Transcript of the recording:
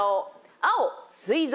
青「すい臓」